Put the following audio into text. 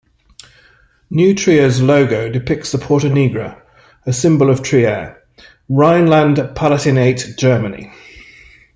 New Trier's logo depicts the Porta Nigra, a symbol of Trier, Rhineland-Palatinate, Germany.